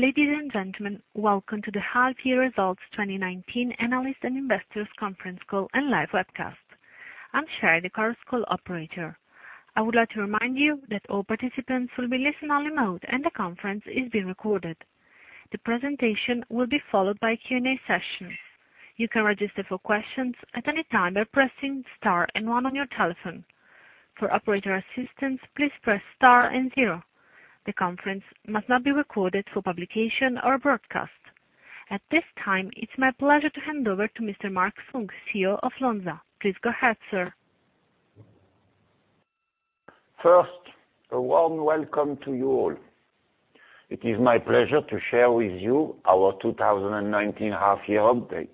Ladies and gentlemen, welcome to the Half-Year Results 2019 Analyst and Investors Conference Call and live webcast. I'm Sherry, the Chorus Call operator. I would like to remind you that all participants will be listen-only mode, and the conference is being recorded. The presentation will be followed by a Q&A session. You can register for questions at any time by pressing star and one on your telephone. For operator assistance, please press star and zero. The conference must not be recorded for publication or broadcast. At this time, it's my pleasure to hand over to Mr. Marc Funk, CEO of Lonza. Please go ahead, sir. First, a warm welcome to you all. It is my pleasure to share with you our 2019 half-year update.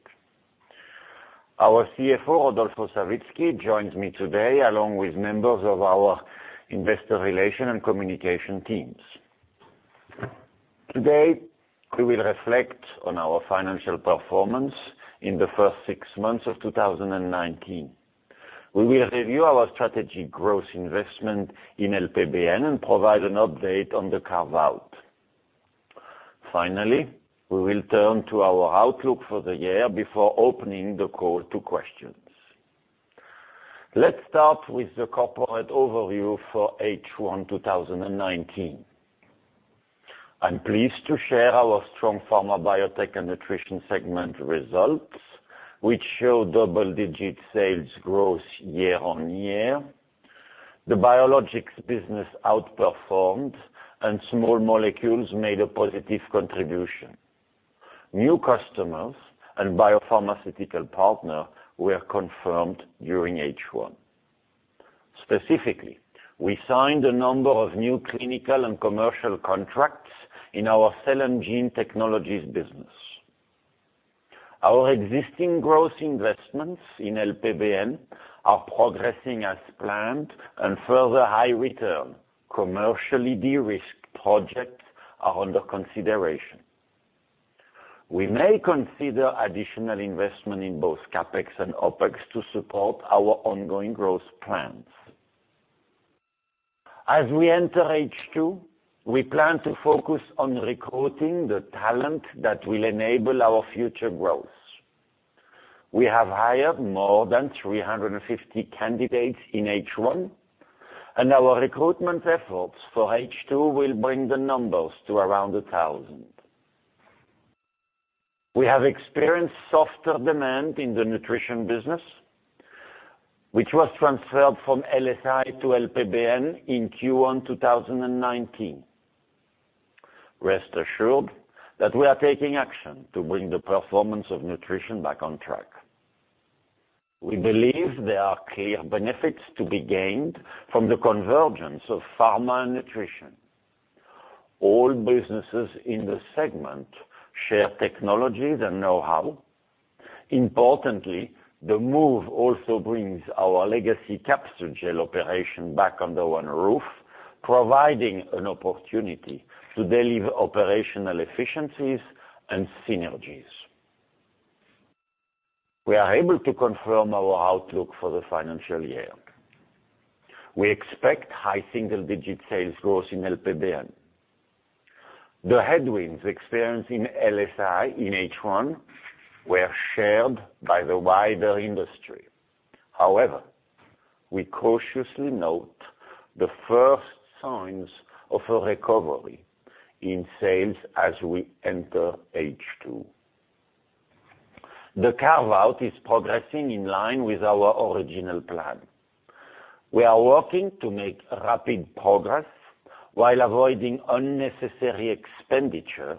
Our CFO, Rodolfo Savitzky, joins me today along with members of our investor relation and communication teams. Today, we will reflect on our financial performance in the first six months of 2019. We will review our strategy growth investment in LPBN and provide an update on the carve-out. Finally, we will turn to our outlook for the year before opening the call to questions. Let's start with the corporate overview for H1 2019. I'm pleased to share our strong Pharma Biotech & Nutrition segment results, which show double-digit sales growth year on year. The biologics business outperformed and small molecules made a positive contribution. New customers and biopharmaceutical partner were confirmed during H1. Specifically, we signed a number of new clinical and commercial contracts in our cell and gene technologies business. Our existing growth investments in LPBN are progressing as planned, and further high return, commercially de-risked projects are under consideration. We may consider additional investment in both CapEx and OpEx to support our ongoing growth plans. As we enter H2, we plan to focus on recruiting the talent that will enable our future growth. We have hired more than 350 candidates in H1, and our recruitment efforts for H2 will bring the numbers to around 1,000. We have experienced softer demand in the Nutrition business, which was transferred from LSI to LPBN in Q1 2019. Rest assured that we are taking action to bring the performance of nutrition back on track. We believe there are clear benefits to be gained from the convergence of pharma and nutrition. All businesses in the segment share technologies and know-how. Importantly, the move also brings our legacy Capsugel operation back under one roof, providing an opportunity to deliver operational efficiencies and synergies. We are able to confirm our outlook for the financial year. We expect high single-digit sales growth in LPBN. The headwinds experienced in LSI in H1 were shared by the wider industry. However, we cautiously note the first signs of a recovery in sales as we enter H2. The carve-out is progressing in line with our original plan. We are working to make rapid progress while avoiding unnecessary expenditure.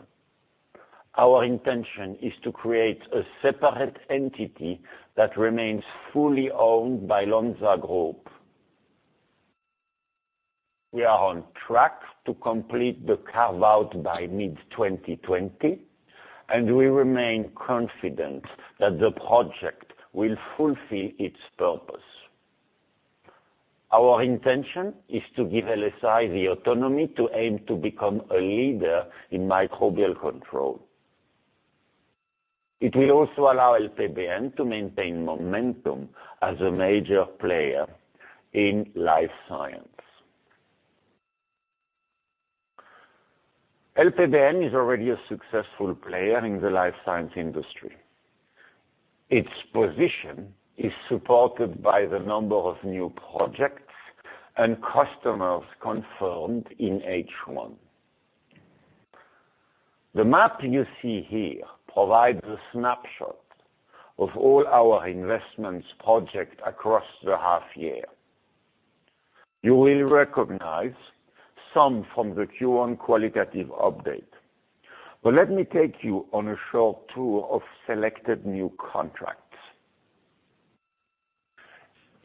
Our intention is to create a separate entity that remains fully owned by Lonza Group. We are on track to complete the carve-out by mid-2020, and we remain confident that the project will fulfill its purpose. Our intention is to give LSI the autonomy to aim to become a leader in microbial control. It will also allow LPBN to maintain momentum as a major player in life science. LPBN is already a successful player in the life science industry. Its position is supported by the number of new projects and customers confirmed in H1. The map you see here provides a snapshot of all our investments project across the half year. You will recognize some from the Q1 qualitative update. Let me take you on a short tour of selected new contracts.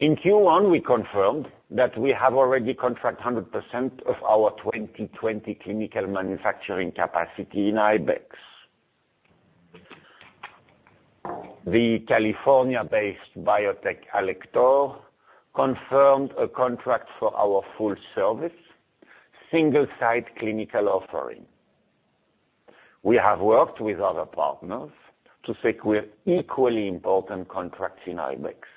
In Q1, we confirmed that we have already contract 100% of our 2020 clinical manufacturing capacity in Ibex. The California-based biotech, Alector, confirmed a contract for our full service, single-site clinical offering. We have worked with other partners to secure equally important contracts in Ibex.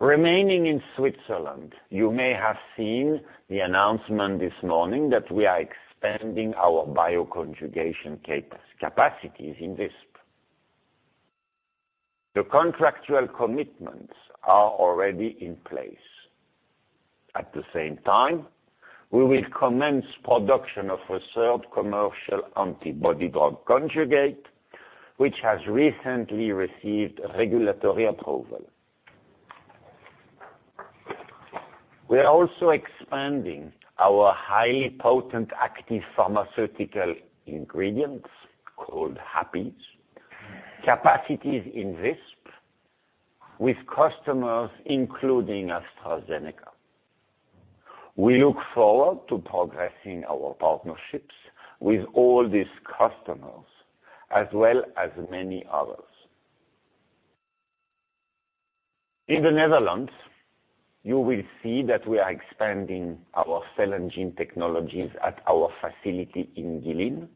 Remaining in Switzerland, you may have seen the announcement this morning that we are expanding our bioconjugation capacities in Visp. The contractual commitments are already in place. At the same time, we will commence production of a third commercial antibody-drug conjugate, which has recently received regulatory approval. We are also expanding our Highly Potent Active Pharmaceutical Ingredients, called HPAPIs, capacities in Visp, with customers including AstraZeneca. We look forward to progressing our partnerships with all these customers, as well as many others. In the Netherlands, you will see that we are expanding our cell and gene technologies at our facility in Geleen.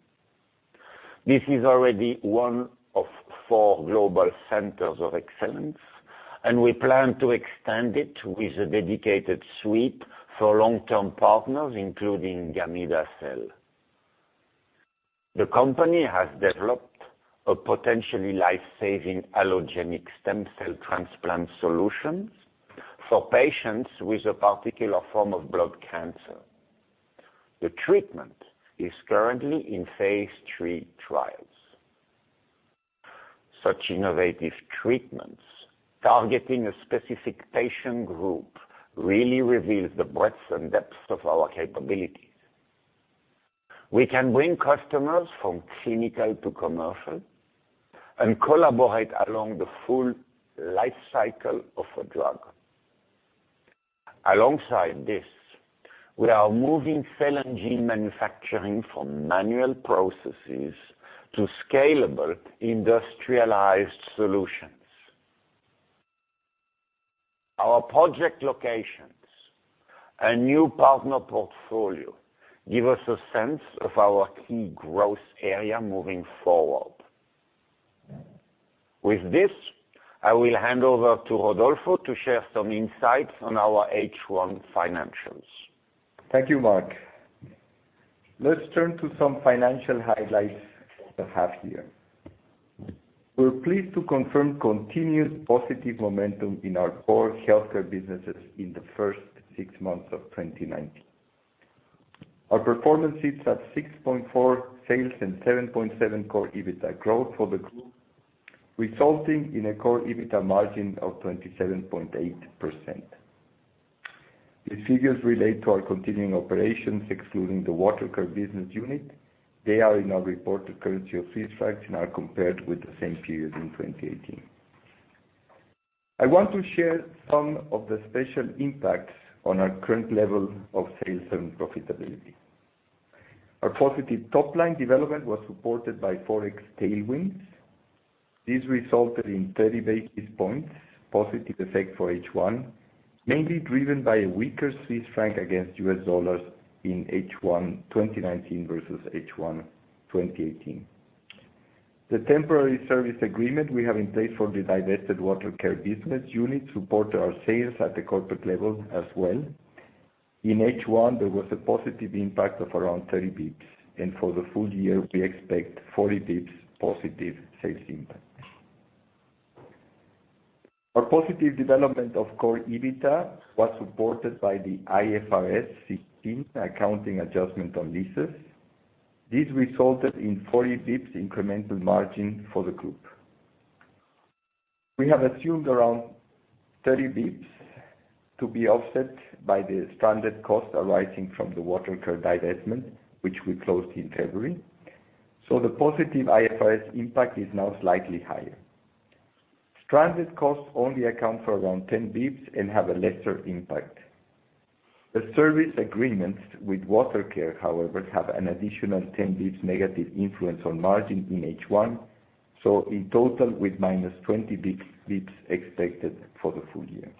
This is already one of four global centers of excellence, and we plan to extend it with a dedicated suite for long-term partners, including Gamida Cell. The company has developed a potentially life-saving allogeneic stem cell transplant solution for patients with a particular form of blood cancer. The treatment is currently in phase III trials. Such innovative treatments targeting a specific patient group really reveals the breadth and depth of our capabilities. We can bring customers from clinical to commercial and collaborate along the full life cycle of a drug. Alongside this, we are moving cell and gene manufacturing from manual processes to scalable, industrialized solutions. Our project locations and new partner portfolio give us a sense of our key growth area moving forward. With this, I will hand over to Rodolfo to share some insights on our H1 financials. Thank you, Marc. Let's turn to some financial highlights that we have here. We are pleased to confirm continued positive momentum in our core healthcare businesses in the first six months of 2019. Our performance sits at 6.4 sales and 7.7 core EBITDA growth for the group, resulting in a core EBITDA margin of 27.8%. These figures relate to our continuing operations, excluding the Water Care business unit. They are in our reported currency of Swiss francs and are compared with the same period in 2018. I want to share some of the special impacts on our current level of sales and profitability. Our positive top-line development was supported by Forex tailwinds. This resulted in 30 basis points positive effect for H1, mainly driven by a weaker Swiss franc against U.S. dollars in H1 2019 versus H1 2018. The temporary service agreement we have in place for the divested Water Care business unit support our sales at the corporate level as well. In H1, there was a positive impact of around 30 basis points, and for the full year, we expect 40 basis points positive sales impact. Our positive development of core EBITDA was supported by the IFRS 16 accounting adjustment on leases. This resulted in 40 basis points incremental margin for the group. We have assumed around 30 basis points to be offset by the stranded costs arising from the Water Care divestment, which we closed in February, so the positive IFRS impact is now slightly higher. Stranded costs only account for around 10 basis points and have a lesser impact. The service agreements with Water Care, however, have an additional 10 basis points negative influence on margin in H1, so in total with -20 basis points expected for the full year.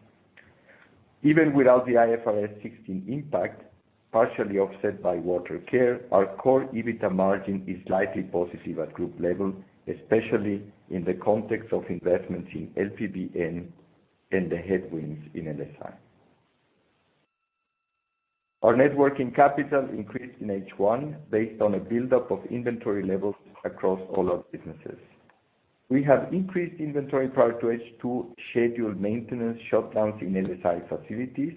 Even without the IFRS 16 impact, partially offset by Water Care, our core EBITDA margin is slightly positive at group level, especially in the context of investments in LPBN and the headwinds in LSI. Our net working capital increased in H1 based on a buildup of inventory levels across all our businesses. We have increased inventory prior to H2 scheduled maintenance shutdowns in LSI facilities,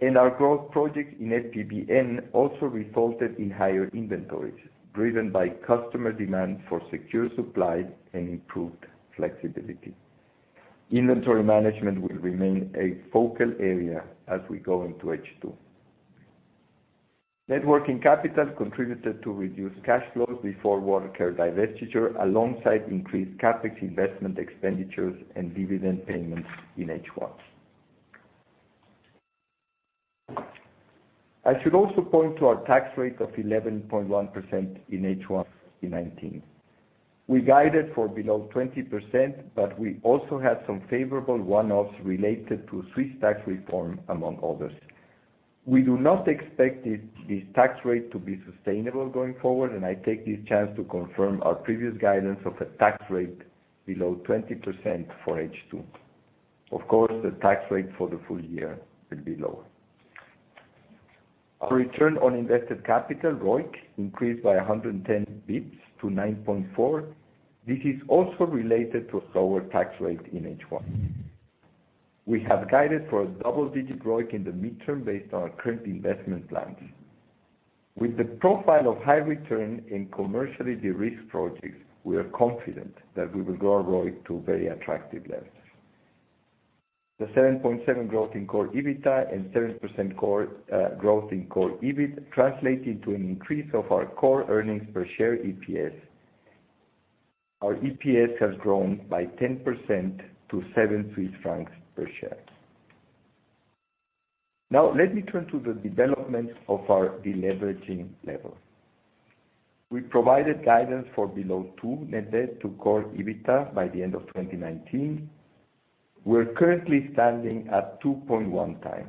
and our growth projects in LPBN also resulted in higher inventories, driven by customer demand for secure supply and improved flexibility. Inventory management will remain a focal area as we go into H2. Net working capital contributed to reduced cash flows before Water Care divestiture, alongside increased CapEx investment expenditures and dividend payments in H1. I should also point to our tax rate of 11.1% in H1 2019. We guided for below 20%, but we also had some favorable one-offs related to Swiss tax reform, among others. We do not expect this tax rate to be sustainable going forward, and I take this chance to confirm our previous guidance of a tax rate below 20% for H2. Of course, the tax rate for the full year will be lower. Our return on invested capital, ROIC, increased by 110 basis points to 9.4%. This is also related to a lower tax rate in H1. We have guided for a double-digit ROIC in the midterm based on our current investment plans. With the profile of high return in commercially de-risked projects, we are confident that we will grow our ROIC to very attractive levels. The 7.7% growth in core EBITDA and 7% growth in core EBIT translate into an increase of our core earnings per share, EPS. Our EPS has grown by 10% to 7 Swiss francs per share. Let me turn to the development of our deleveraging level. We provided guidance for below 2 net debt to core EBITDA by the end of 2019. We're currently standing at 2.1x.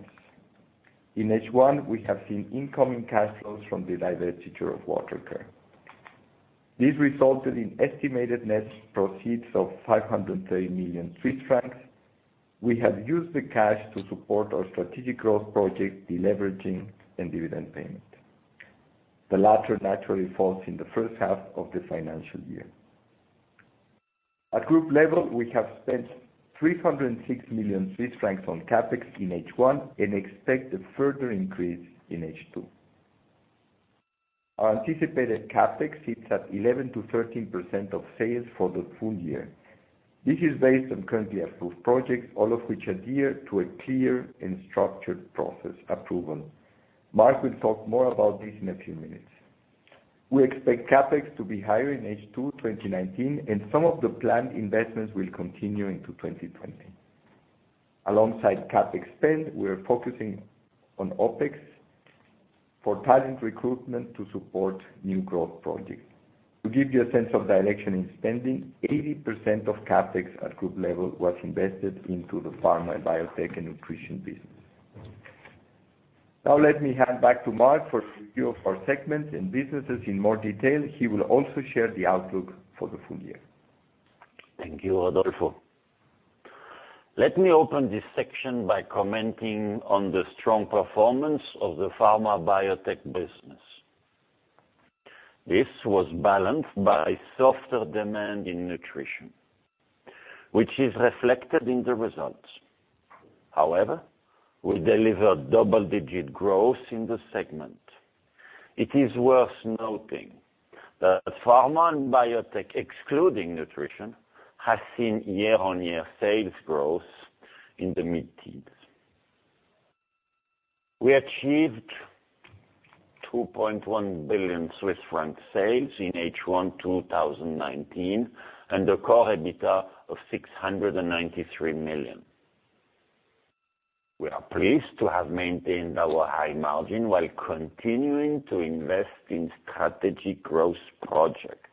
In H1, we have seen incoming cash flows from the divestiture of Water Care. This resulted in estimated net proceeds of 530 million Swiss francs. We have used the cash to support our strategic growth project, deleveraging, and dividend payment. The latter naturally falls in the first half of the financial year. At group level, we have spent 306 million Swiss francs on CapEx in H1 and expect a further increase in H2. Our anticipated CapEx sits at 11%-13% of sales for the full year. This is based on currently approved projects, all of which adhere to a clear and structured process approval. Marc will talk more about this in a few minutes. We expect CapEx to be higher in H2 2019, and some of the planned investments will continue into 2020. Alongside CapEx spend, we are focusing on OpEx for talent recruitment to support new growth projects. To give you a sense of direction in spending, 80% of CapEx at group level was invested into Pharma Biotech & Nutrition business. now, let me hand back to Marc for a view of our segments and businesses in more detail. He will also share the outlook for the full year. Thank you, Rodolfo. Let me open this section by commenting on the strong performance of the Pharma Biotech business. This was balanced by softer demand in nutrition, which is reflected in the results. However, we delivered double-digit growth in the segment. It is worth noting that pharma and biotech, excluding nutrition, has seen year-on-year sales growth in the mid-teens. We achieved 2.1 billion Swiss franc sales in H1 2019, and a core EBITDA of 693 million. We are pleased to have maintained our high margin while continuing to invest in strategic growth project.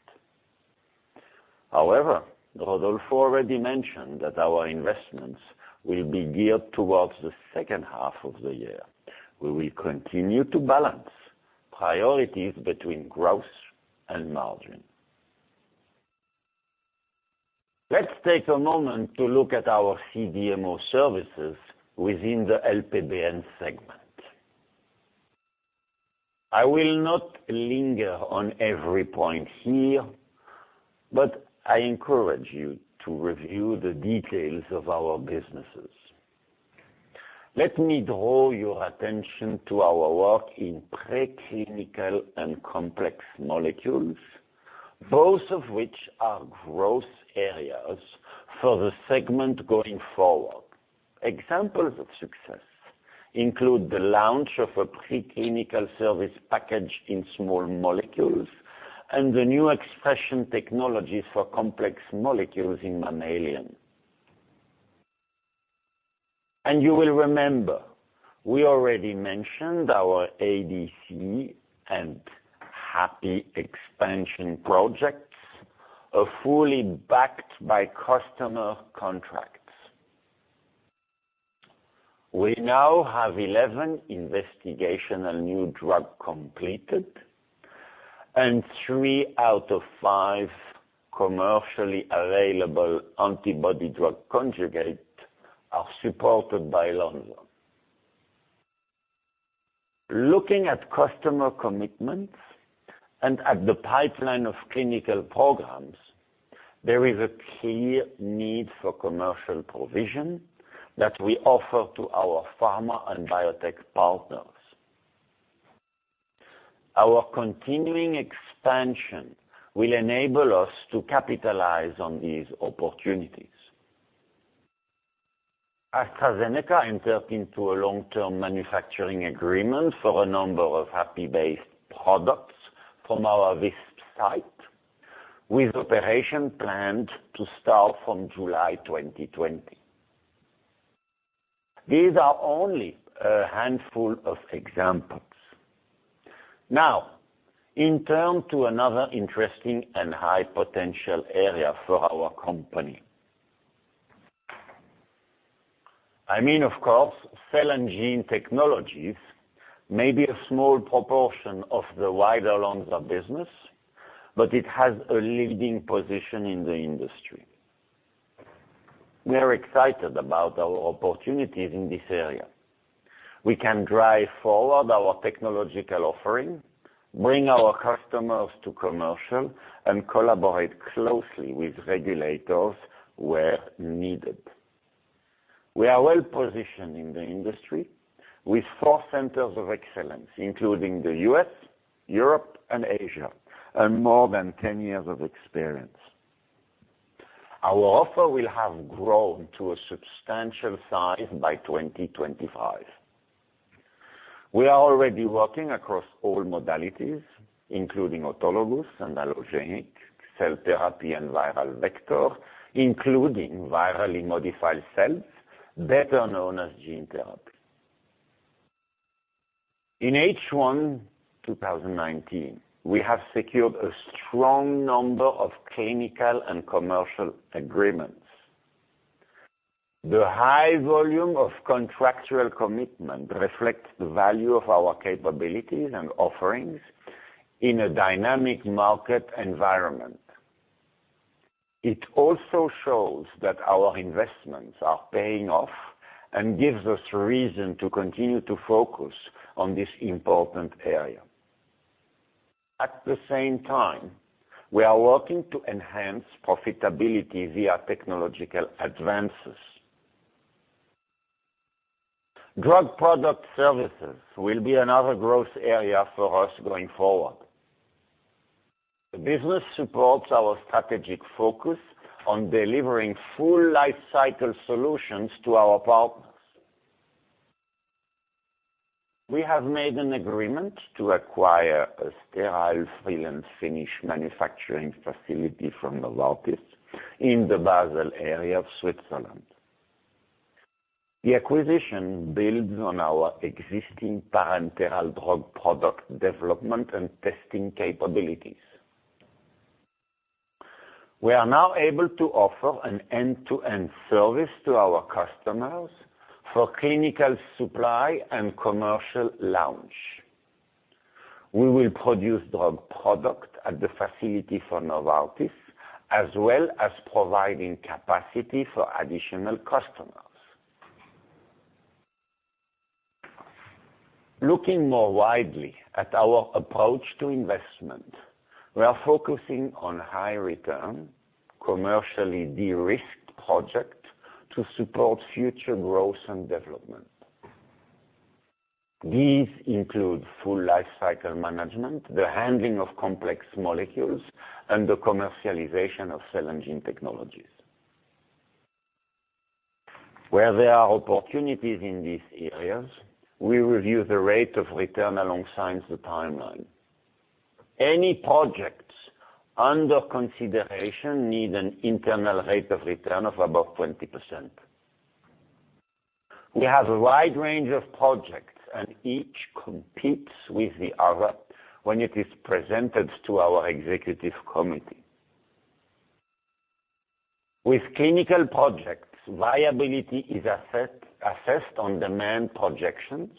However, Rodolfo already mentioned that our investments will be geared towards the second half of the year. We will continue to balance priorities between growth and margin. Let's take a moment to look at our CDMO services within the LPBN segment. I will not linger on every point here, but I encourage you to review the details of our businesses. Let me draw your attention to our work in preclinical and complex molecules, both of which are growth areas for the segment going forward. Examples of success include the launch of a preclinical service package in small molecules and the new expression technology for complex molecules in mammalian. You will remember, we already mentioned our ADC and HPAPI expansion projects are fully backed by customer contracts. We now have 11 investigational new drug completed, and three out of five commercially available antibody-drug conjugates are supported by Lonza. Looking at customer commitments and at the pipeline of clinical programs, there is a clear need for commercial provision that we offer to our pharma and biotech partners. Our continuing expansion will enable us to capitalize on these opportunities. AstraZeneca entered into a long-term manufacturing agreement for a number of HPAPI-based products from our Visp site, with operation planned to start from July 2020. These are only a handful of examples. Now, in turn to another interesting and high-potential area for our company. I mean, of course, cell and gene technologies may be a small proportion of the wider Lonza business, but it has a leading position in the industry. We are excited about our opportunities in this area. We can drive forward our technological offering, bring our customers to commercial, and collaborate closely with regulators where needed. We are well-positioned in the industry with four centers of excellence, including the U.S., Europe, and Asia, and more than 10 years of experience. Our offer will have grown to a substantial size by 2025. We are already working across all modalities, including autologous and allogeneic cell therapy and viral vector, including virally modified cells, better known as gene therapy. In H1 2019, we have secured a strong number of clinical and commercial agreements. The high volume of contractual commitment reflects the value of our capabilities and offerings in a dynamic market environment. It also shows that our investments are paying off and gives us reason to continue to focus on this important area. At the same time, we are working to enhance profitability via technological advances. Drug product services will be another growth area for us going forward. The business supports our strategic focus on delivering full life cycle solutions to our partners. We have made an agreement to acquire a sterile fill and finish manufacturing facility from Novartis in the Basel area of Switzerland. The acquisition builds on our existing parenteral drug product development and testing capabilities. We are now able to offer an end-to-end service to our customers for clinical supply and commercial launch. We will produce drug product at the facility for Novartis, as well as providing capacity for additional customers. Looking more widely at our approach to investment, we are focusing on high return, commercially de-risked project to support future growth and development. These include full life cycle management, the handling of complex molecules, and the commercialization of cell and gene technologies. Where there are opportunities in these areas, we review the rate of return alongside the timeline. Any projects under consideration need an internal rate of return of above 20%. We have a wide range of projects, and each competes with the other when it is presented to our executive committee. With clinical projects, viability is assessed on demand projections,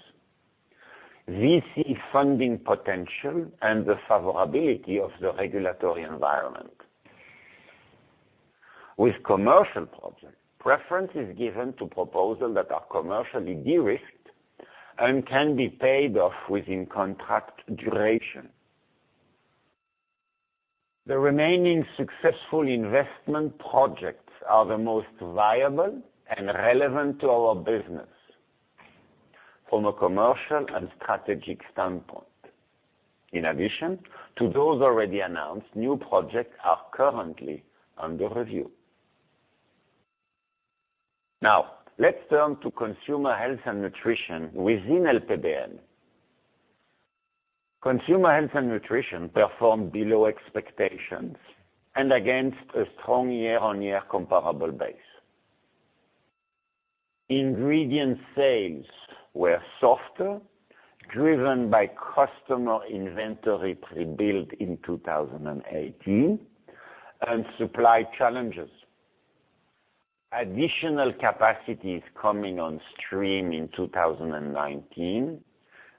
VC funding potential, and the favorability of the regulatory environment. With commercial projects, preference is given to proposals that are commercially de-risked and can be paid off within contract duration. The remaining successful investment projects are the most viable and relevant to our business from a commercial and strategic standpoint. In addition to those already announced, new projects are currently under review. Now let's turn to Consumer Health and Nutrition within LPBN. Consumer Health and Nutrition performed below expectations and against a strong year-on-year comparable base. Ingredient sales were softer, driven by customer inventory rebuilt in 2018 and supply challenges. Additional capacity is coming on stream in 2019,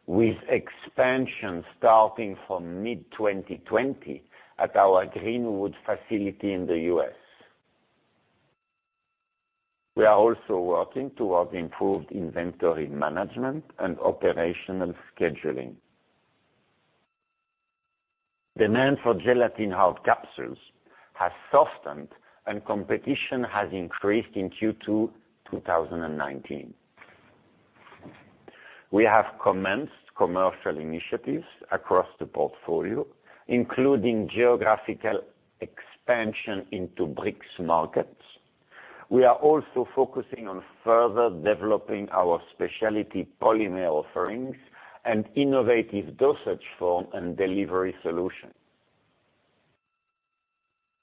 with expansion starting from mid-2020 at our Greenwood facility in the U.S. We are also working towards improved inventory management and operational scheduling. Demand for gelatin hard capsules has softened and competition has increased in Q2 2019. We have commenced commercial initiatives across the portfolio, including geographical expansion into BRICS markets. We are also focusing on further developing our specialty polymer offerings and innovative dosage form and delivery solutions.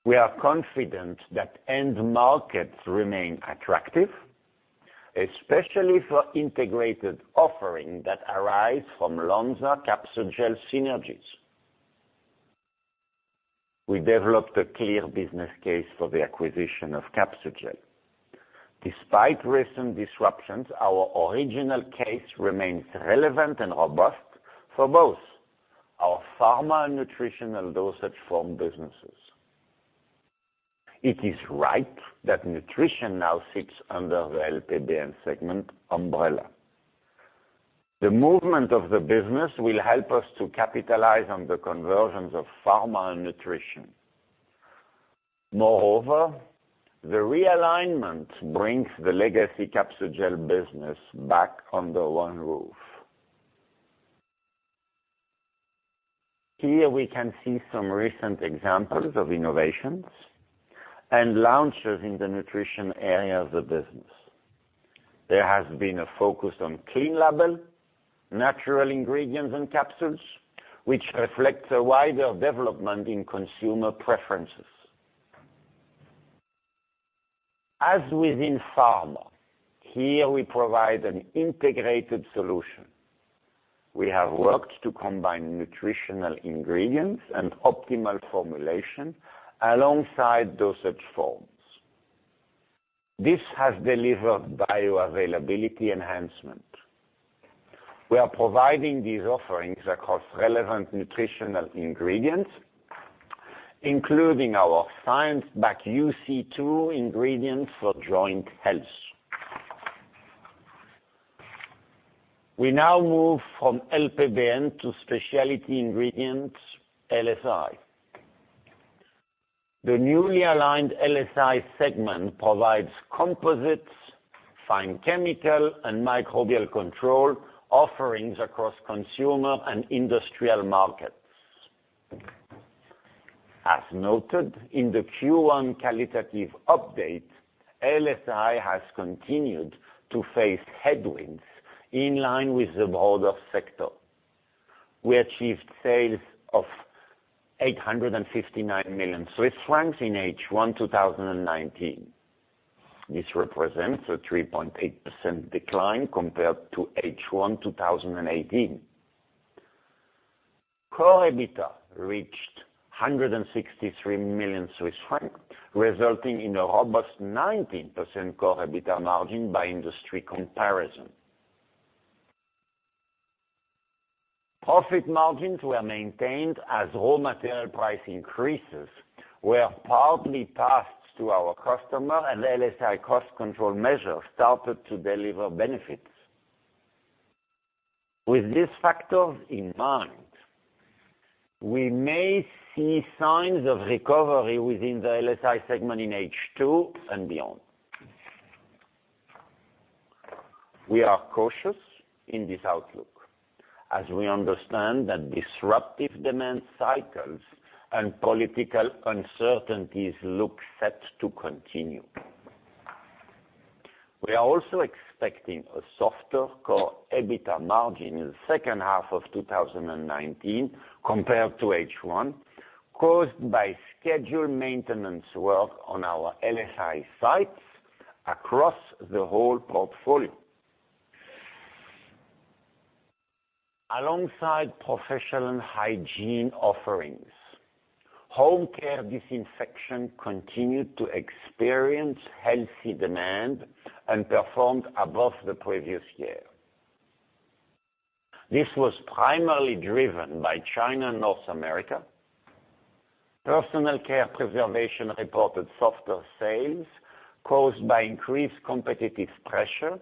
We are confident that end markets remain attractive, especially for integrated offering that arise from Lonza-Capsugel synergies. We developed a clear business case for the acquisition of Capsugel. Despite recent disruptions, our original case remains relevant and robust for both our pharma and nutritional dosage form businesses. It is right that nutrition now sits under the LPBN segment umbrella. The movement of the business will help us to capitalize on the conversions of pharma and nutrition. Moreover, the realignment brings the legacy Capsugel business back under one roof. Here we can see some recent examples of innovations and launches in the nutrition area of the business. There has been a focus on clean label, natural ingredients, and capsules, which reflects a wider development in consumer preferences. As within pharma, here we provide an integrated solution. We have worked to combine nutritional ingredients and optimal formulation alongside dosage forms. This has delivered bioavailability enhancement. We are providing these offerings across relevant nutritional ingredients, including our science-backed UC-II ingredient for joint health. We now move from LPBN to specialty ingredients, LSI. The newly aligned LSI segment provides composites, fine chemical, and microbial control offerings across consumer and industrial markets. As noted in the Q1 qualitative update, LSI has continued to face headwinds in line with the broader sector. We achieved sales of 859 million Swiss francs in H1 2019. This represents a 3.8% decline compared to H1 2018. Core EBITDA reached 163 million Swiss francs, resulting in a robust 19% core EBITDA margin by industry comparison. Profit margins were maintained as raw material price increases were partly passed to our customer, and LSI cost control measures started to deliver benefits. With these factors in mind, we may see signs of recovery within the LSI segment in H2 and beyond. We are cautious in this outlook as we understand that disruptive demand cycles and political uncertainties look set to continue. We are also expecting a softer core EBITDA margin in the second half of 2019 compared to H1, caused by scheduled maintenance work on our LSI sites across the whole portfolio. Alongside professional hygiene offerings, home care disinfection continued to experience healthy demand and performed above the previous year. This was primarily driven by China and North America. Personal care preservation reported softer sales caused by increased competitive pressure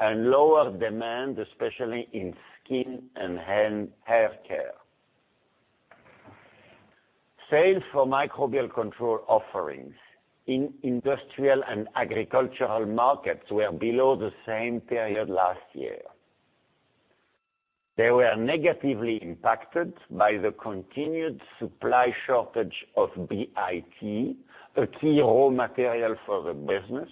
and lower demand, especially in skin and hair care. Sales for microbial control offerings in industrial and agricultural markets were below the same period last year. They were negatively impacted by the continued supply shortage of BIT, a key raw material for the business.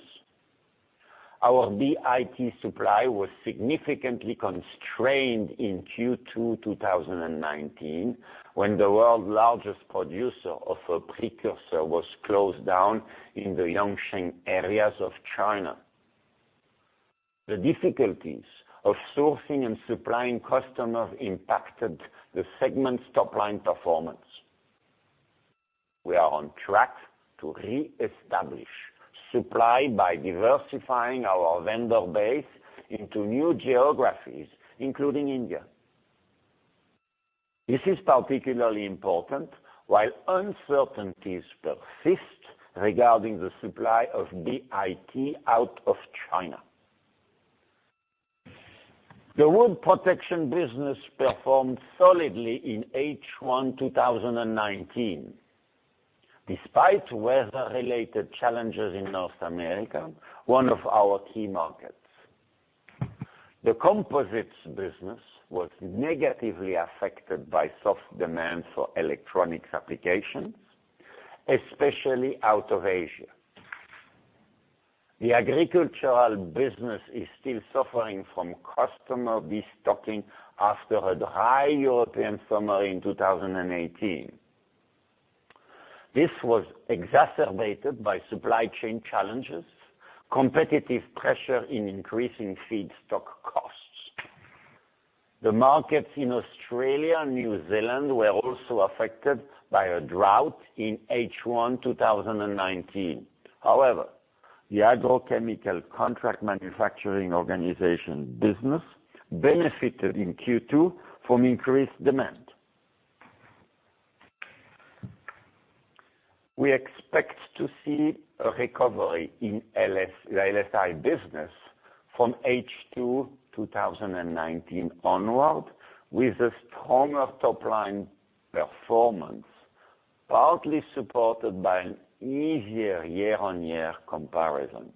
Our BIT supply was significantly constrained in Q2 2019 when the world's largest producer of a precursor was closed down in the Yancheng areas of China. The difficulties of sourcing and supplying customers impacted the segment's top-line performance. We are on track to reestablish supply by diversifying our vendor base into new geographies, including India. This is particularly important while uncertainties persist regarding the supply of BIT out of China. The Wood Protection business performed solidly in H1 2019, despite weather-related challenges in North America, one of our key markets. The composites business was negatively affected by soft demand for electronics applications, especially out of Asia. The agricultural business is still suffering from customer destocking after a dry European summer in 2018. This was exacerbated by supply chain challenges, competitive pressure in increasing feedstock costs. The markets in Australia and New Zealand were also affected by a drought in H1 2019. However, the Agrochemical Contract Manufacturing Organization business benefited in Q2 from increased demand. We expect to see a recovery in the LSI business from H2 2019 onward, with a stronger top-line performance, partly supported by an easier year-on-year comparison.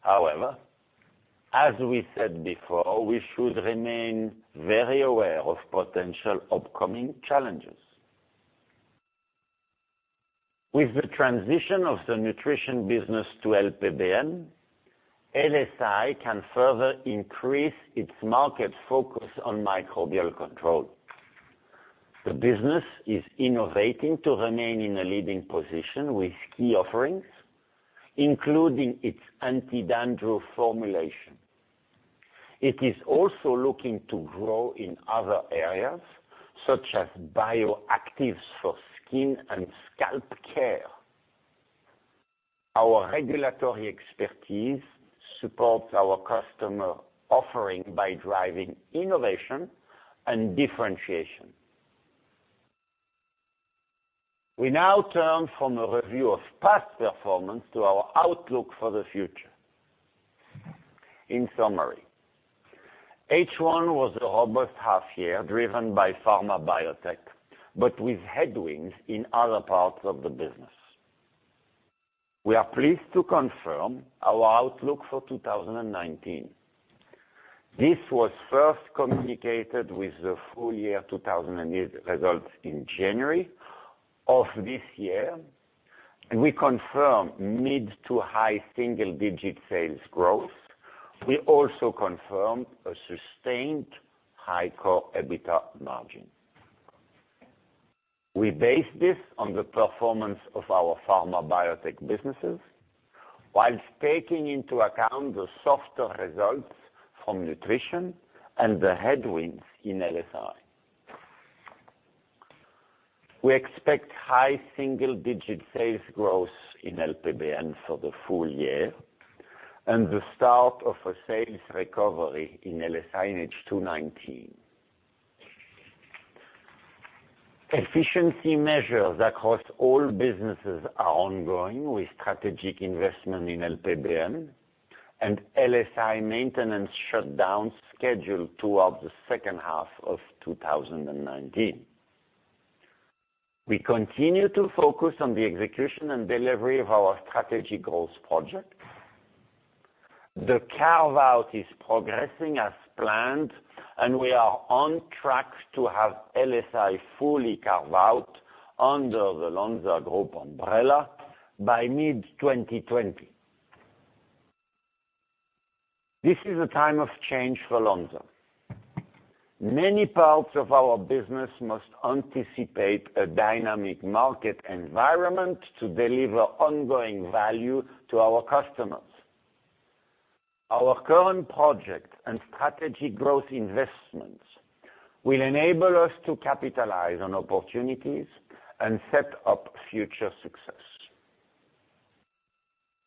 However, as we said before, we should remain very aware of potential upcoming challenges. With the transition of the Nutrition business to LPBN, LSI can further increase its market focus on microbial control. The business is innovating to remain in a leading position with key offerings, including its anti-dandruff formulation. It is also looking to grow in other areas, such as bioactives for skin and scalp care. Our regulatory expertise supports our customer offering by driving innovation and differentiation. We now turn from a review of past performance to our outlook for the future. In summary, H1 was a robust half year driven by Pharma Biotech, but with headwinds in other parts of the business. We are pleased to confirm our outlook for 2019. This was first communicated with the full-year 2018 results in January of this year, and we confirm mid-to-high single-digit sales growth. We also confirm a sustained high core EBITDA margin. We base this on the performance of our Pharma Biotech businesses while taking into account the softer results from Nutrition and the headwinds in LSI. We expect high single-digit sales growth in LPBN for the full year and the start of a sales recovery in LSI in H2 2019. Efficiency measures across all businesses are ongoing, with strategic investment in LPBN and LSI maintenance shutdowns scheduled throughout the second half of 2019. We continue to focus on the execution and delivery of our strategy growth project. The carve-out is progressing as planned, and we are on track to have LSI fully carved out under the Lonza Group umbrella by mid-2020. This is a time of change for Lonza. Many parts of our business must anticipate a dynamic market environment to deliver ongoing value to our customers. Our current project and strategy growth investments will enable us to capitalize on opportunities and set up future success.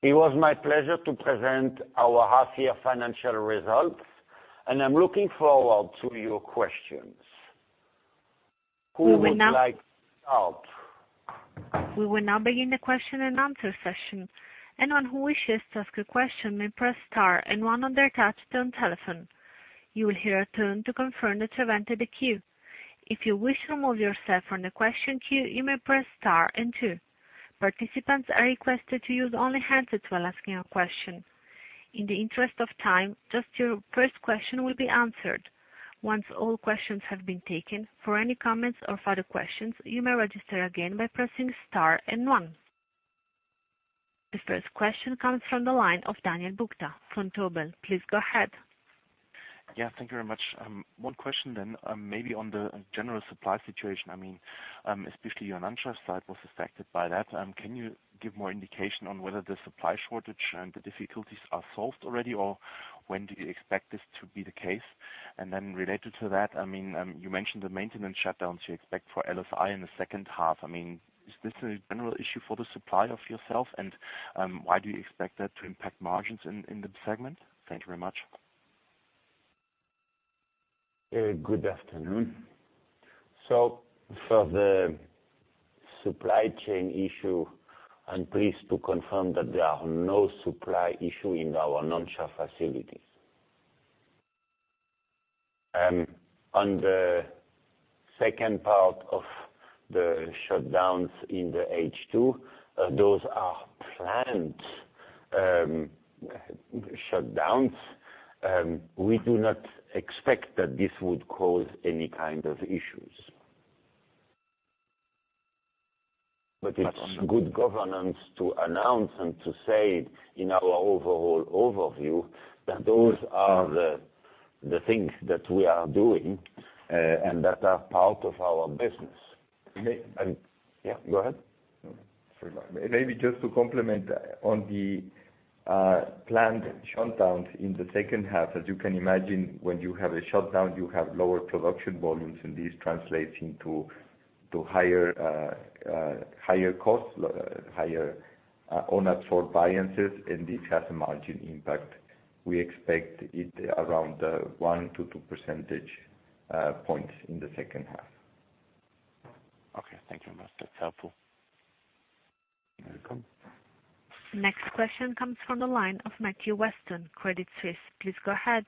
It was my pleasure to present our half-year financial results, and I'm looking forward to your questions. We will now begin the question-and-answer session. Anyone who wishes to ask a question may press star and one on their touch-tone telephone. You will hear a tone to confirm that you have entered the queue. If you wish to remove yourself from the question queue, you may press star and two. Participants are requested to use only hands free while asking a question. In the interest of time, just your first question will be answered. Once all questions have been taken, for any comments or further questions, you may register again by pressing star and one. The first question comes from the line of Daniel Buchta from Vontobel. Please go ahead. Yeah. Thank you very much. One question, and maybe on the general supply situation, especially your Nansha site was affected by that. Can you give more indication on whether the supply shortage and the difficulties are solved already, or when do you expect this to be the case? Related to that, you mentioned the maintenance shutdowns you expect for LSI in the second half. Is this a general issue for the supply of yourself, and why do you expect that to impact margins in the segment? Thank you very much. Good afternoon. For the supply chain issue, I'm pleased to confirm that there are no supply issue in our Nansha facilities. On the second part of the shutdowns in the H2, those are planned shutdowns. We do not expect that this would cause any kind of issues. It's good governance to announce and to say in our overall overview that those are the things that we are doing and that are part of our business. May- Yeah, go ahead. Sorry about that. Maybe just to complement on planned shutdowns in the second half. As you can imagine, when you have a shutdown, you have lower production volumes, and this translates into higher costs, higher unabsorbed variances, and this has a margin impact. We expect it around 1-2 percentage points in the second half. Okay. Thanks very much. That's helpful. You're welcome. Next question comes from the line of Matthew Weston, Credit Suisse. Please go ahead.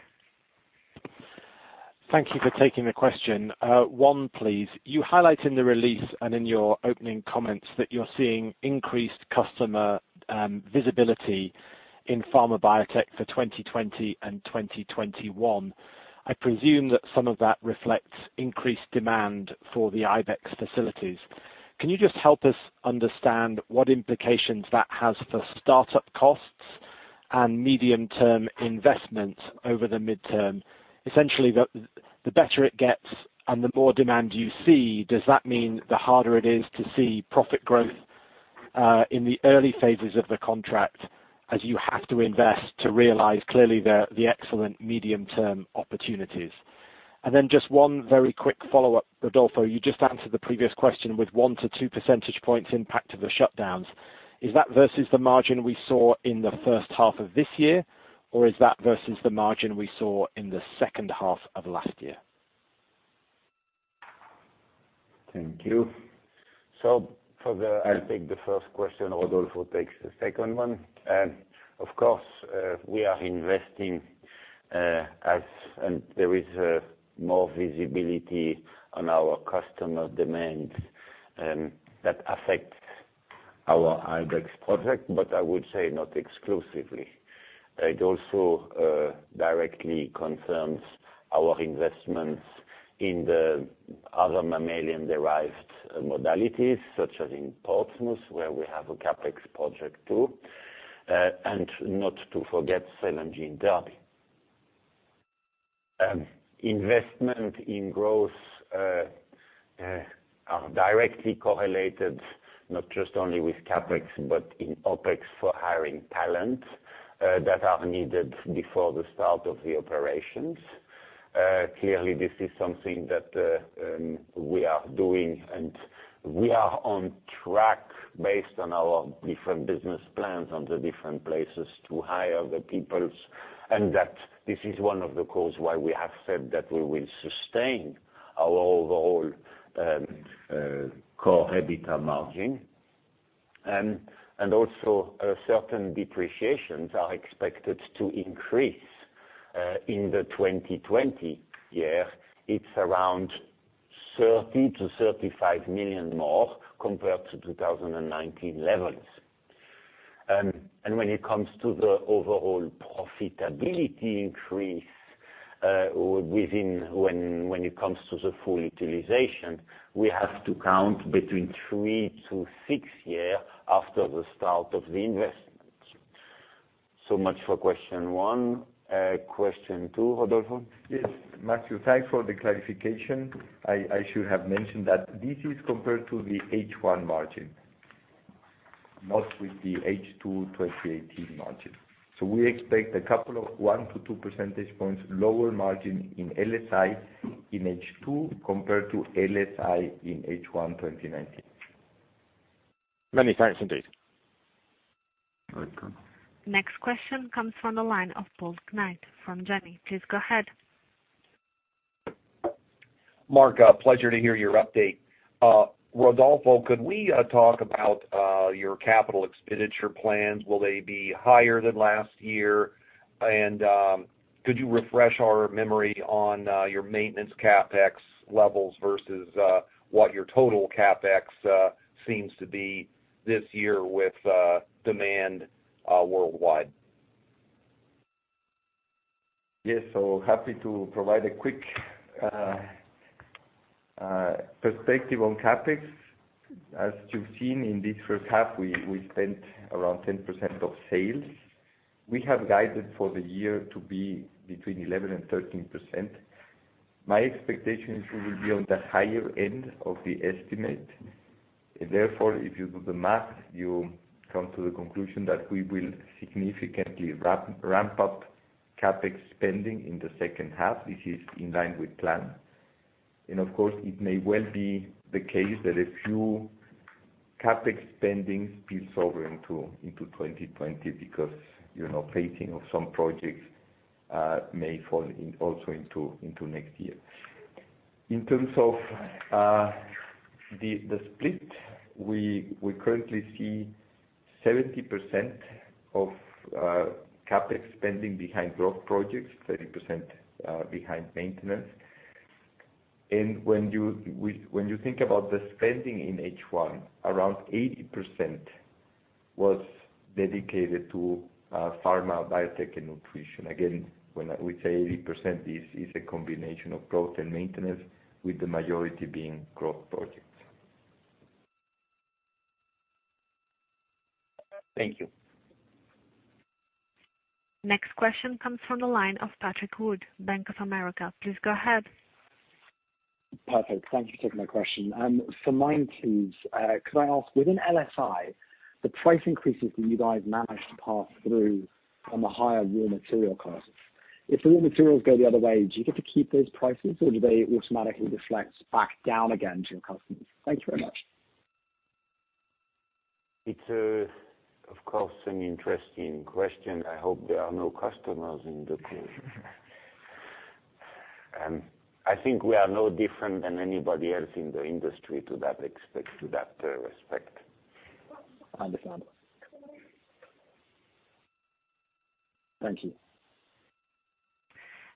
Thank you for taking the question. One, please. You highlight in the release and in your opening comments that you're seeing increased customer visibility in Pharma Biotech for 2020 and 2021. I presume that some of that reflects increased demand for the Ibex facilities. Can you just help us understand what implications that has for start-up costs and medium-term investment over the midterm? Essentially, the better it gets and the more demand you see, does that mean the harder it is to see profit growth in the early phases of the contract, as you have to invest to realize clearly the excellent medium-term opportunities? Just one very quick follow-up, Rodolfo. You just answered the previous question with 1-2 percentage points impact of the shutdowns. Is that versus the margin we saw in the first half of this year, or is that versus the margin we saw in the second half of last year? Thank you. For the-- I'll take the first question, Rodolfo takes the second one. Of course, we are investing as there is more visibility on our customer demand that affects our Ibex project, but I would say not exclusively. It also directly concerns our investments in the other mammalian-derived modalities such as in Portsmouth, where we have a CapEx project too. Not to forget cell and gene therapy. Investment in growth are directly correlated, not just only with CapEx, but in OpEx for hiring talent that are needed before the start of the operations. Clearly, this is something that we are doing and we are on track based on our different business plans on the different places to hire the peoples, and that this is one of the cause why we have said that we will sustain our overall core EBITDA margin. Also, certain depreciations are expected to increase in the 2020 year. It's around 30 million-35 million more compared to 2019 levels. When it comes to the overall profitability increase when it comes to the full utilization, we have to count between three to six year after the start of the investment. So much for question one. Question two, Rodolfo? Yes. Matthew, thanks for the clarification. I should have mentioned that this is compared to the H1 margin, not with the H2 2018 margin. We expect a couple of 1-2 percentage points lower margin in LSI in H2 compared to LSI in H1 2019. Many thanks indeed. Welcome. Next question comes from the line of Paul Knight from Janney. Please go ahead. Marc, pleasure to hear your update. Rodolfo, could we talk about your capital expenditure plans? Will they be higher than last year? Could you refresh our memory on your maintenance CapEx levels versus what your total CapEx seems to be this year with demand worldwide? Yes. Happy to provide a quick perspective on CapEx. As you've seen in this first half, we spent around 10% of sales. We have guided for the year to be between 11% and 13%. My expectation is we will be on the higher end of the estimate. Therefore, if you do the math, you come to the conclusion that we will significantly ramp up CapEx spending in the second half. This is in line with plan. Of course, it may well be the case that a few CapEx spendings spill over into 2020 because phasing of some projects may fall also into next year. In terms of the split, we currently see 70% of CapEx spending behind growth projects, 30% behind maintenance. When you think about the spending in H1, around 80% was dedicated to Pharma Biotech & Nutrition. When we say 80%, this is a combination of growth and maintenance, with the majority being growth projects. Thank you. Next question comes from the line of Patrick Wood, Bank of America. Please go ahead. Perfect. Thank you for taking my question. For mine, please, could I ask, within LSI, the price increases that you guys managed to pass through from the higher raw material costs. If raw materials go the other way, do you get to keep those prices or do they automatically reflect back down again to your customers? Thank you very much. It's, of course, an interesting question. I hope there are no customers in the call. I think we are no different than anybody else in the industry to that respect. Understandable. Thank you.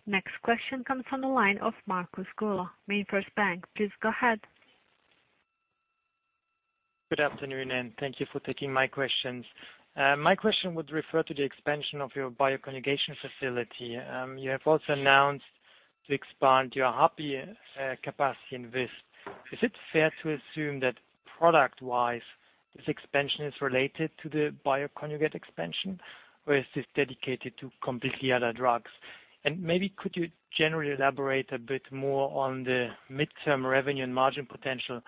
Next question comes from the line of Markus Gola, MainFirst Bank. Please go ahead. Good afternoon, and thank you for taking my questions. My question would refer to the expansion of your bioconjugation facility. You have also announced to expand your HPAPI capacity in Visp. Is it fair to assume that product-wise, this expansion is related to the bioconjugate expansion? Is this dedicated to completely other drugs? Maybe could you generally elaborate a bit more on the midterm revenue and margin potential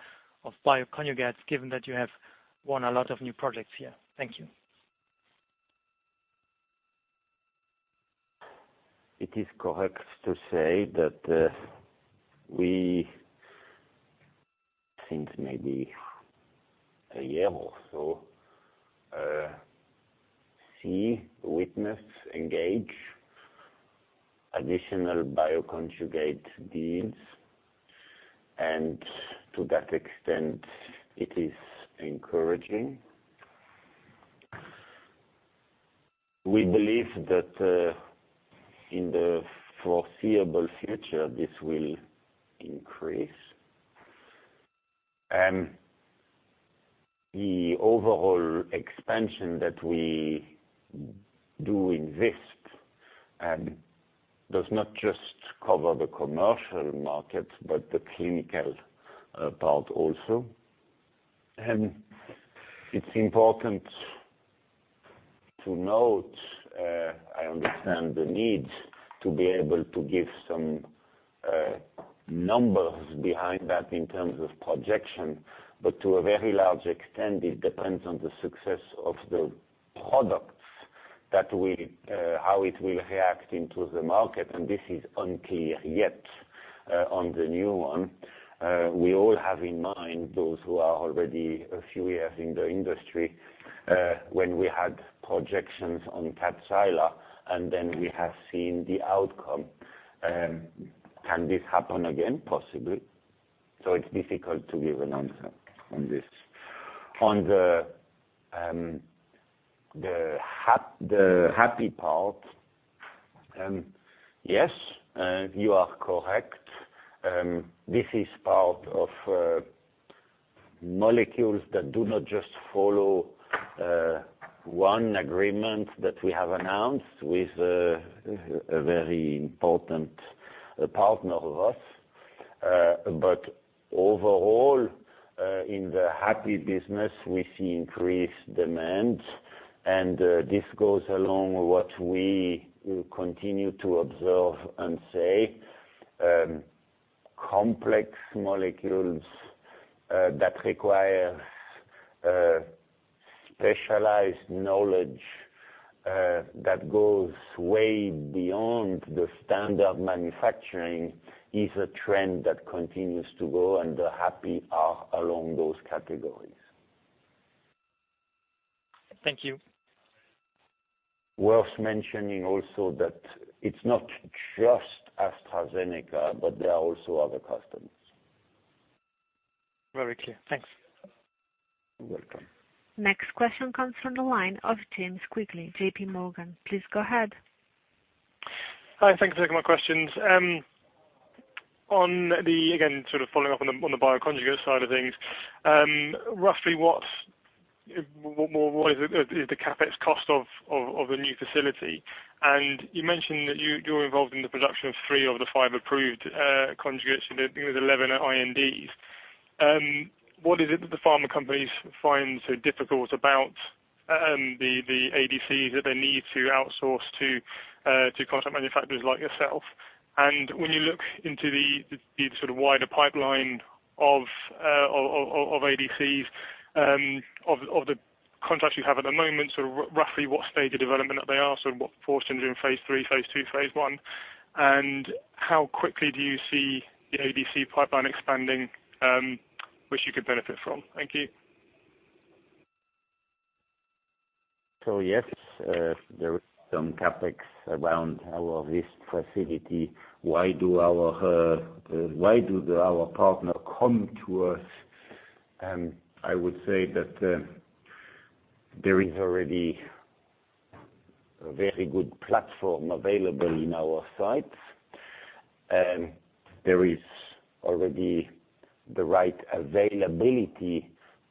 of bioconjugates, given that you have won a lot of new projects here? Thank you. It is correct to say that we, since maybe a year or so, see, witness, engage additional bioconjugate deals. To that extent, it is encouraging. We believe that in the foreseeable future, this will increase. The overall expansion that we do in Visp does not just cover the commercial market, but the clinical part also. It's important to note, I understand the need to be able to give some numbers behind that in terms of projection, but to a very large extent, it depends on the success of the products, how it will react into the market, and this is unclear yet on the new one. We all have in mind, those who are already a few years in the industry, when we had projections on KADCYLA, and then we have seen the outcome. Can this happen again? Possibly. It's difficult to give an answer on this. On the HPAPI part, yes, you are correct. This is part of molecules that do not just follow one agreement that we have announced with a very important partner of us. Overall, in the HPAPI business, we see increased demand, and this goes along what we continue to observe and say. Complex molecules that require specialized knowledge that goes way beyond the standard manufacturing is a trend that continues to grow, and the HPAPI are along those categories. Thank you. Worth mentioning also that it's not just AstraZeneca, but there are also other customers. Very clear. Thanks. You're welcome. Next question comes from the line of James Quigley, JPMorgan. Please go ahead. Hi, thank you for taking my questions. Again, sort of following up on the bioconjugate side of things. Roughly, what is the CapEx cost of a new facility? You mentioned that you're involved in the production of three of the five approved conjugates, and I think there's 11 at INDs. What is it that the pharma companies find so difficult about the ADCs that they need to outsource to contract manufacturers like yourself? When you look into the sort of wider pipeline of ADCs, of the contracts you have at the moment, sort of roughly what stage of development that they are, sort of what portion are in phase III, phase II, phase I, and how quickly do you see the ADC pipeline expanding, which you could benefit from? Thank you. Yes, there is some CapEx around our Visp facility. Why do our partner come to us? I would say that there is already a very good platform available in our sites. There is already the right availability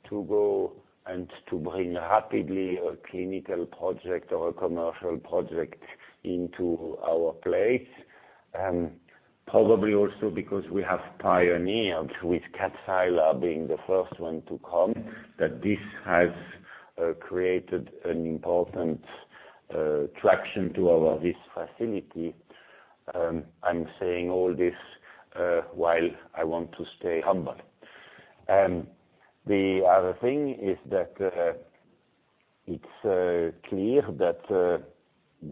to go and to bring rapidly a clinical project or a commercial project into our place. Probably also because we have pioneered with KADCYLA being the first one to come, that this has created an important traction to our Visp facility. I'm saying all this while I want to stay humble. The other thing is that it's clear that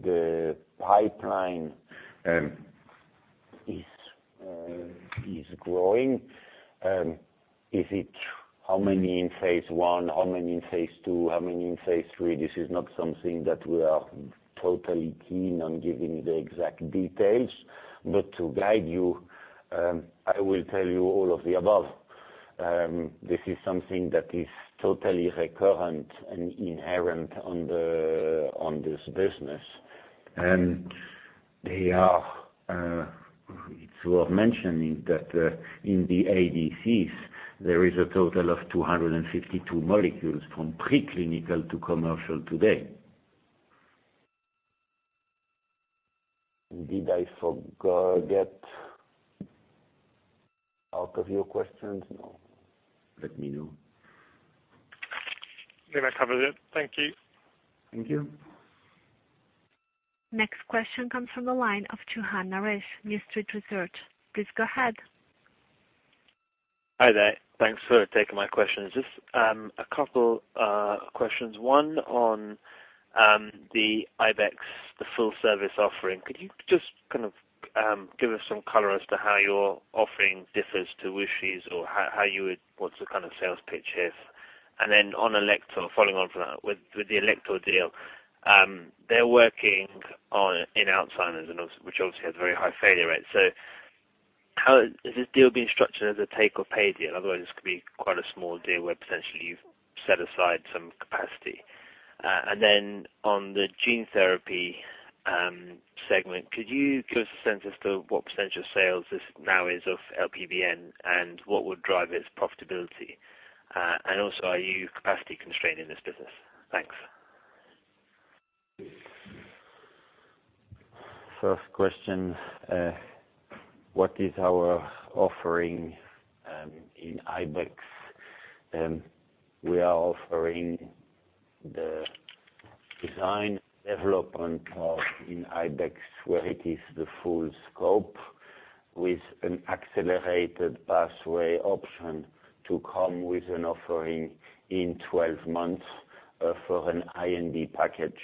the pipeline is growing. Is it how many in phase I, how many in phase II, how many in phase III? This is not something that we are totally keen on giving the exact details. To guide you, I will tell you all of the above. This is something that is totally recurrent and inherent on this business. It's worth mentioning that in the ADCs, there is a total of 252 molecules from preclinical to commercial today. Did I forget out of your questions? No. Let me know. No, that covers it. Thank you. Thank you. Next question comes from the line of Chouhan Naresh, New Street Research. Please go ahead. Hi there. Thanks for taking my questions. Just a couple questions. One on the Ibex, the full service offering. Could you just give us some color as to how your offering differs to WuXi's or what's the kind of sales pitch here? Following on from that, with the Alector deal, they're working in Alzheimer's, which obviously has a very high failure rate. Is this deal being structured as a take or pay deal? Otherwise, this could be quite a small deal where potentially you've set aside some capacity. On the gene therapy segment, could you give us a sense as to what percent of sales this now is of LPBN and what would drive its profitability? Are you capacity constrained in this business? Thanks. First question, what is our offering in Ibex? We are offering the design and development of Ibex, where it is the full scope with an accelerated pathway option to come with an offering in 12 months for an IND package.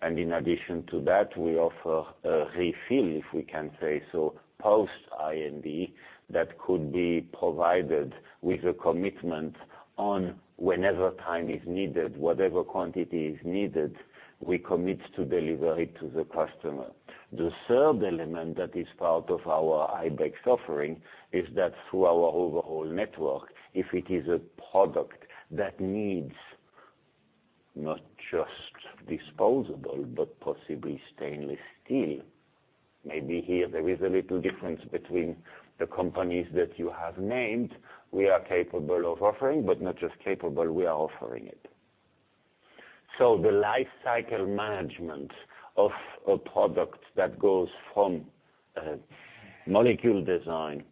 In addition to that, we offer a refill, if we can say so, post IND that could be provided with a commitment on whenever time is needed, whatever quantity is needed, we commit to deliver it to the customer. The third element that is part of our Ibex offering is that through our overall network, if it is a product that needs not just disposable, but possibly stainless steel, maybe here there is a little difference between the companies that you have named. We are capable of offering, but not just capable, we are offering it. The life cycle management of a product that goes from molecule design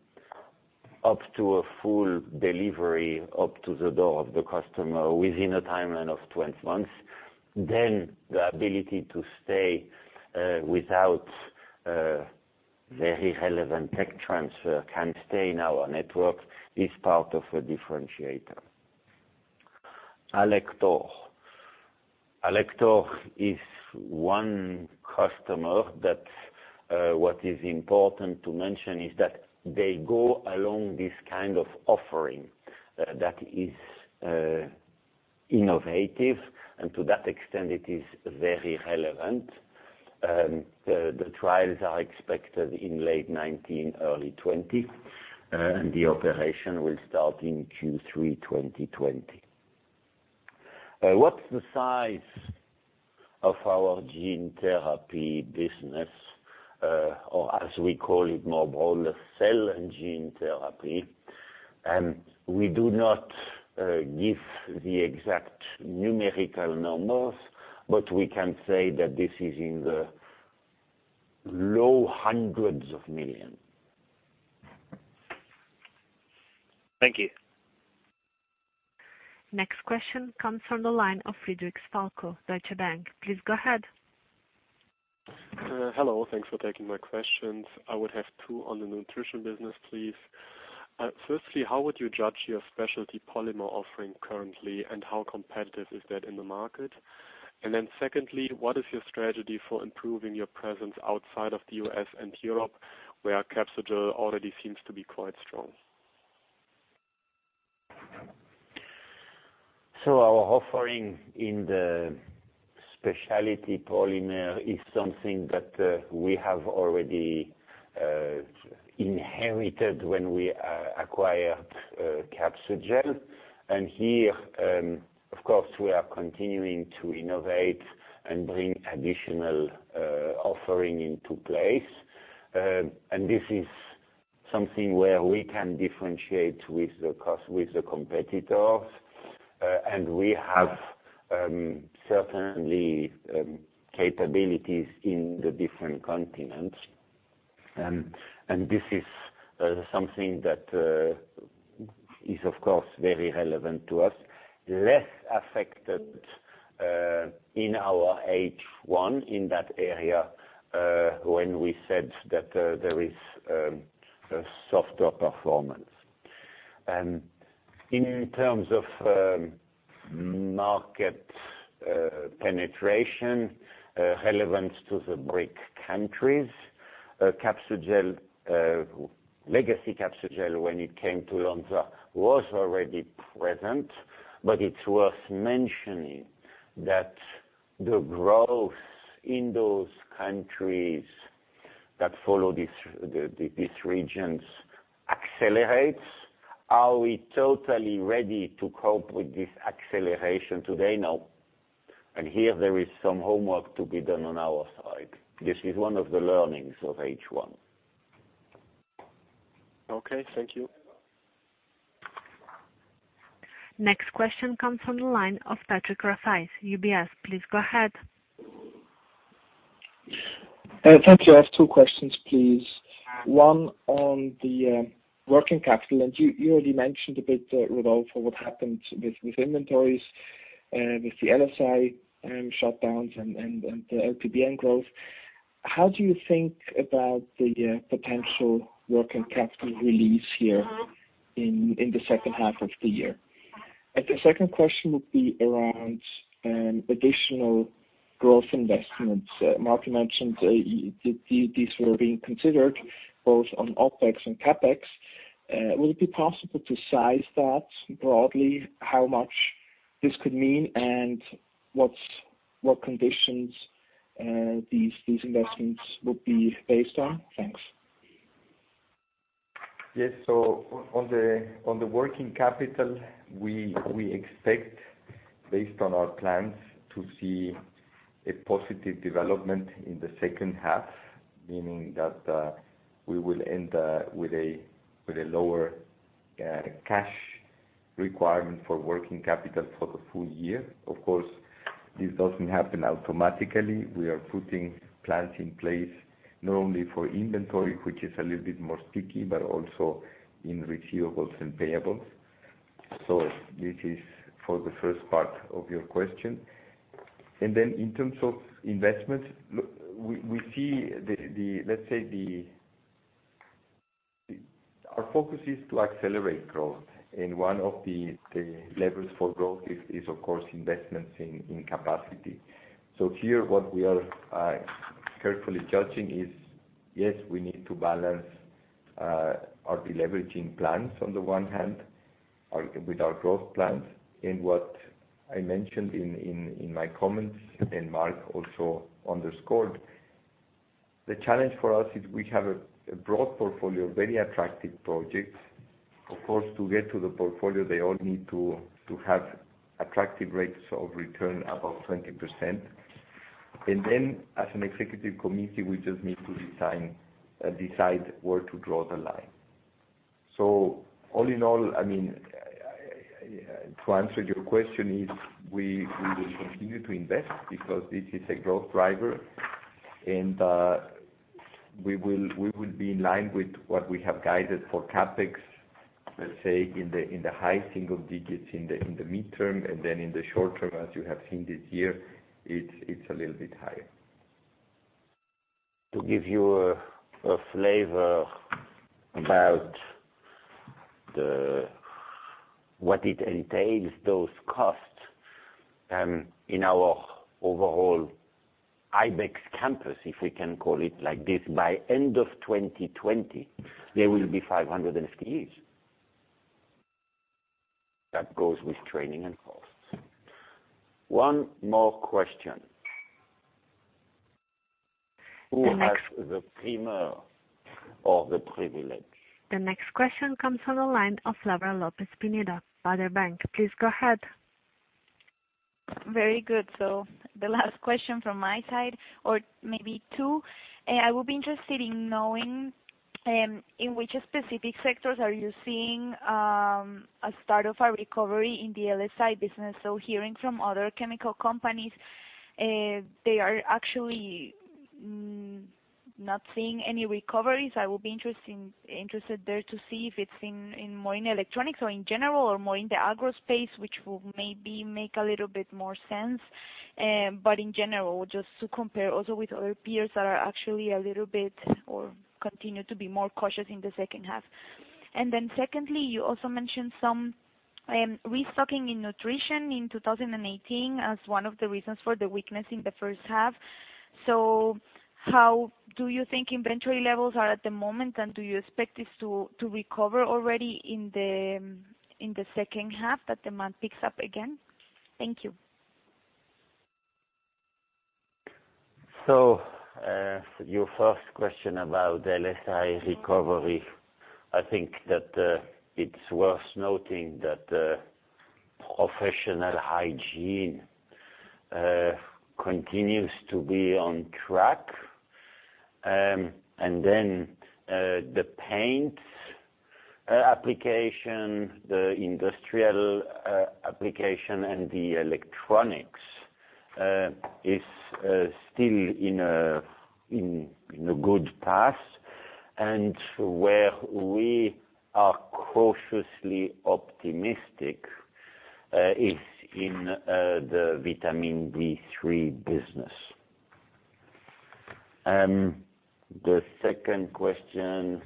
up to a full delivery, up to the door of the customer within a timeline of 12 months, then the ability to stay without very relevant tech transfer can stay in our network is part of a differentiator. Alector. Alector is one customer that what is important to mention is that they go along this kind of offering that is innovative, and to that extent, it is very relevant. The trials are expected in late 2019, early 2020. The operation will start in Q3 2020. What's the size of our gene therapy business? Or as we call it more broadly, cell and gene therapy. We do not give the exact numerical numbers, but we can say that this is in the low hundreds of millions. Thank you. Next question comes from the line of Friedrichs Falko, Deutsche Bank. Please go ahead. Hello. Thanks for taking my questions. I would have two on the Nutrition business, please. Firstly, how would you judge your specialty polymer offering currently, and how competitive is that in the market? Secondly, what is your strategy for improving your presence outside of the U.S. and Europe, where Capsugel already seems to be quite strong? Our offering in the specialty polymer is something that we have already inherited when we acquired Capsugel. Here, of course, we are continuing to innovate and bring additional offering into place. This is something where we can differentiate with the competitors. We have certainly capabilities in the different continents. This is something that is, of course, very relevant to us. Less affected in our H1, in that area, when we said that there is a softer performance. In terms of market penetration relevance to the BRIC countries, legacy Capsugel, when it came to Lonza, was already present, but it's worth mentioning that the growth in those countries that follow these regions accelerates. Are we totally ready to cope with this acceleration today? No. Here, there is some homework to be done on our side. This is one of the learnings of H1. Okay, thank you. Next question comes from the line of Patrick Rafaisz, UBS. Please go ahead. Thank you. I have two questions, please. One on the working capital. You already mentioned a bit, Rodolfo, what happened with inventories, with the LSI shutdowns, and the LPBN growth. How do you think about the potential working capital release here in the second half of the year? The second question would be around additional growth investments. Marc mentioned these were being considered both on OpEx and CapEx. Will it be possible to size that broadly, how much this could mean, and what conditions these investments would be based on? Thanks. On the working capital, we expect, based on our plans, to see a positive development in the second half, meaning that we will end with a lower cash requirement for working capital for the full year. Of course, this doesn't happen automatically. We are putting plans in place not only for inventory, which is a little bit stickier, but also in receivables and payables. This is for the first part of your question. In terms of investments, our focus is to accelerate growth, and one of the levers for growth is, of course, investments in capacity. Here, what we are carefully judging is, yes, we need to balance our deleveraging plans on the one hand with our growth plans. What I mentioned in my comments, and Marc also underscored, the challenge for us is we have a broad portfolio of very attractive projects. Of course, to get to the portfolio, they all need to have attractive rates of return, about 20%. As an executive committee, we just need to decide where to draw the line. All in all, to answer your question, we will continue to invest because this is a growth driver, and we will be in line with what we have guided for CapEx, let's say, in the high single digits in the midterm, and then in the short-term, as you have seen this year, it's a little bit higher. To give you a flavor about what it entails, those costs in our overall Ibex campus, if we can call it like this, by end of 2020, there will be 500 FTEs.. That goes with training and costs. One more question. The next- Who has the primer or the privilege? The next question comes from the line of Laura Lopez Pineda, Baader Bank. Please go ahead. Very good. The last question from my side, or maybe two. I will be interested in knowing in which specific sectors are you seeing a start of a recovery in the LSI business. Hearing from other chemical companies, they are actually not seeing any recoveries. I will be interested there to see if it's more in electronics or in general or more in the agro space, which will maybe make a little bit more sense. In general, just to compare also with other peers that are actually a little bit, or continue to be more cautious in the second half. Secondly, you also mentioned some restocking in nutrition in 2018 as one of the reasons for the weakness in the first half. How do you think inventory levels are at the moment, and do you expect this to recover already in the second half, that demand picks up again? Thank you. Your first question about LSI recovery, I think that it's worth noting that professional hygiene continues to be on track. The paint application, the industrial application, and the electronics is still in a good path. Where we are cautiously optimistic is in the vitamin B3 business. The second question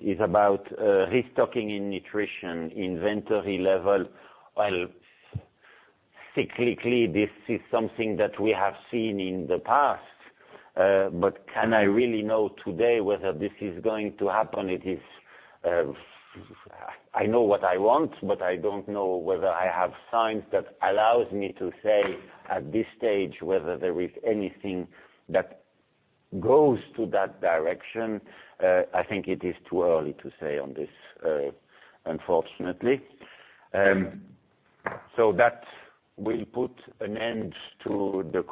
is about restocking in nutrition inventory level. Well, cyclically, this is something that we have seen in the past. Can I really know today whether this is going to happen? I know what I want, but I don't know whether I have signs that allows me to say at this stage whether there is anything that goes to that direction. I think it is too early to say on this, unfortunately. That will put an end to the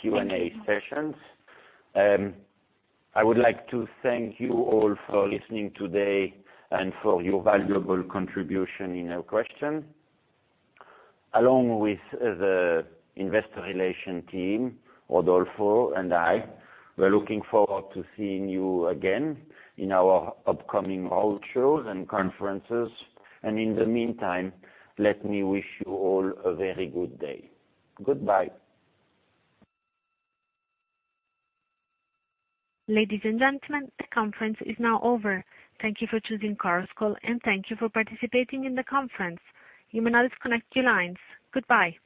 Q&A sessions. I would like to thank you all for listening today and for your valuable contribution in your questions. Along with the investor relations team, Rodolfo and I, we're looking forward to seeing you again in our upcoming roadshows and conferences. In the meantime, let me wish you all a very good day. Goodbye. Ladies and gentlemen, the conference is now over. Thank you for choosing Chorus Call, and thank you for participating in the conference. You may now disconnect your lines. Goodbye.